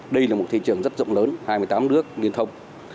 đây là một thị trường rất rộng lớn